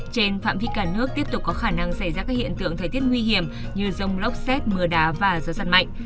trên phạm vi cả nước tiếp tục có khả năng xảy ra các hiện tượng thời tiết nguy hiểm như rông lốc xét mưa đá và gió giật mạnh